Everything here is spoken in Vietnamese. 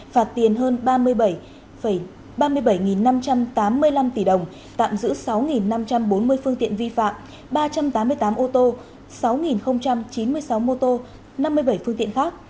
phạt tiền hơn ba mươi bảy ba mươi bảy năm trăm tám mươi năm tỷ đồng tạm giữ sáu năm trăm bốn mươi phương tiện vi phạm ba trăm tám mươi tám ô tô sáu chín mươi sáu mô tô năm mươi bảy phương tiện khác